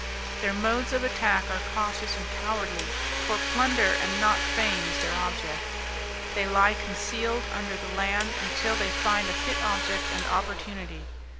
Their modes of attack are cautious and cowardly, for plunder and not fame is their object. They lie concealed under the land, until they find a fit object and opportunity.